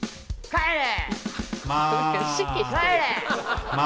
帰れ！